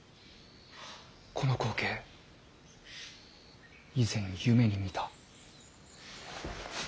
この光景以前夢に見た。